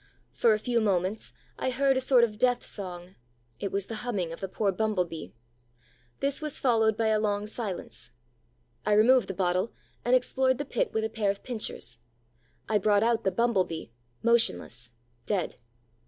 For a few moments, I heard a sort of death song: it was the humming of the poor Bumble bee. This was followed by a long silence. I removed the bottle and explored the pit with a pair of pincers. I brought out the Bumble bee, motionless, dead.